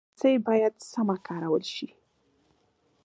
رسۍ باید سمه کارول شي.